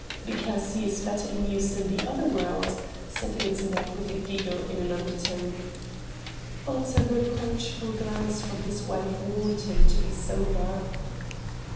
"Because he is better amused in the other world!" said Ilsenbergh with a giggle in an undertone. But a reproachful glance from his wife warned him to be sober.